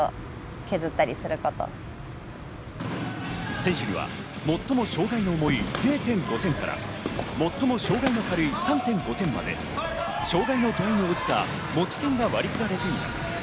選手には最も障害の重い０．５点から最も障害の軽い３．５点まで、障害の度合いに応じた持ち点が割り振られています。